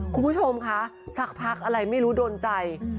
คุณผู้ชมคะสักพักอะไรไม่รู้โดนใจ